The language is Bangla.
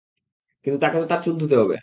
কিন্তু তাকে তো তার চুল ধুতে হবে।